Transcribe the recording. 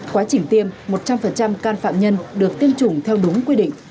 quá trình tiêm một trăm linh can phạm nhân được tiêm chủng theo đúng quy định